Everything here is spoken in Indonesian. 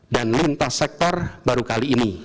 dan lintas sektor baru kali ini